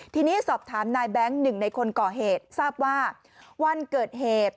ทีนี้สอบถามนายแบงค์หนึ่งในคนก่อเหตุทราบว่าวันเกิดเหตุ